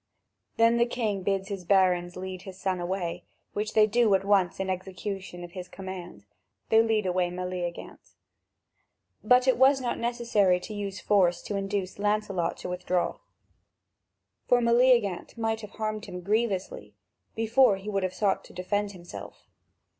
Then the king bids his barons lead his son away, which they do at once in execution of his command: they led away Meleagant. But it was not necessary to use force to induce Lancelot to withdraw, for Meleagant might have harmed him grievously, before he would have sought to defend himself.